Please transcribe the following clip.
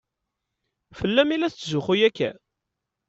Fell-am i la tetzuxxu akka?